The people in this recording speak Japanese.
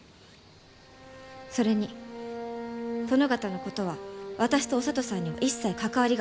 それに殿方のことは私とお聡さんには一切関わりがありませんから。